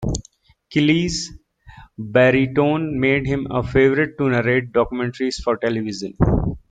Kiley's baritone made him a favorite to narrate documentaries for television.